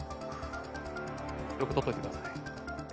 よく撮っといてください。